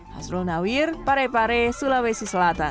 hasrul nawir parepare sulawesi selatan